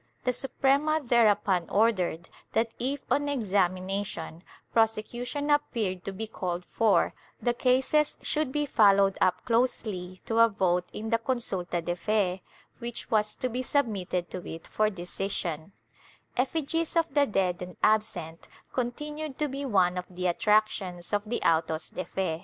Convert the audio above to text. The Suprema there upon ordered that if, on examination, prosecution appeared to be called for, the cases should be followed up closely to a vote in the consulta de fe, which was to be submitted to it for decision/ Effigies of the dead and absent continued to be one of the attrac tions of the autos de fe.